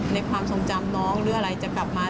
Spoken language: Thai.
ความทรงจำน้องหรืออะไรจะกลับมา